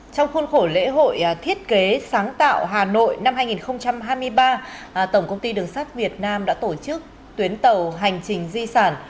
trong khuôn khổ lễ hội thiết kế sáng tạo hà nội năm hai nghìn hai mươi ba tổng công ty đường sắt việt nam đã tổ chức tuyến tàu hành trình di sản